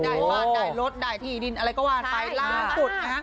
ได้รถได้ที่ดินอะไรก็ว่าไฟล่างขุด